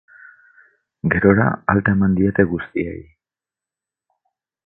Gerora, alta eman diete guztiei.